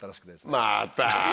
また！